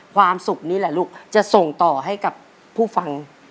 ความสุขนี้แหละลูกจะส่งต่อให้กับผู้ฟัง